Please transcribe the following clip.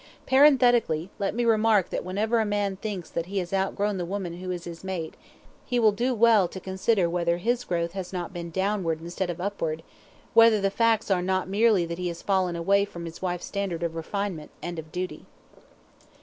Parenthetically, let me remark that whenever a man thinks that he has outgrown the woman who is his mate, he will do well carefully to consider whether his growth has not been downward instead of upward, whether the facts are not merely that he has fallen away from his wife's standard of refinement and of duty.